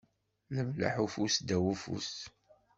Lemleḥ ufus ddaw ufus.